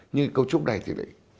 nhưng cấu trúc này thì